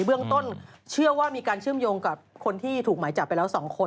เบื้องต้นเชื่อว่ามีการเชื่อมโยงกับคนที่ถูกหมายจับไปแล้ว๒คน